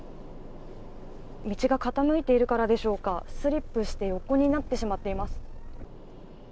道が傾いているからでしょうか、スリップして横になってしまっています。